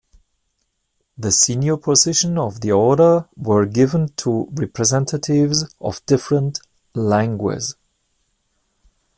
The senior positions of the Order were given to representatives of different "Langues".